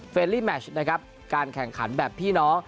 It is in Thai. ลี่แมชนะครับการแข่งขันแบบพี่น้อง